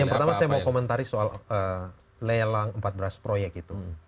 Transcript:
yang pertama saya mau komentari soal lelang empat belas proyek itu